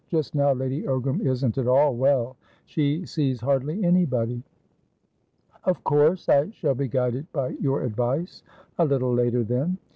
Just now Lady Ogram isn't at all well; she sees hardly anybody." "Of course I shall be guided by your advice. A little later, then.